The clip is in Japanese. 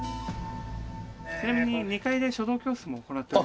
ちなみに２階で書道教室も行っておりまして。